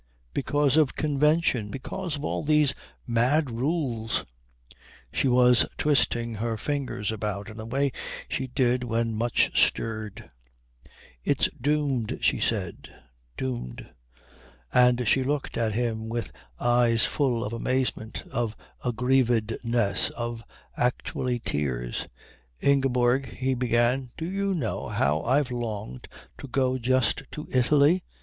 "Because of convention, because of all these mad rules " She was twisting her fingers about in the way she did when much stirred. "It's doomed," she said, "doomed." And she looked at him with eyes full of amazement, of aggrievedness, of, actually, tears. "Ingeborg " he began. "Do you know how I've longed to go just to Italy?"